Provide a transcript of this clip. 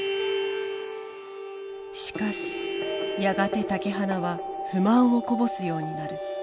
しかしやがて竹鼻は不満をこぼすようになる。